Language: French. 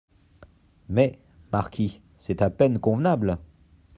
Mais, marquis, c'est à peine convenable.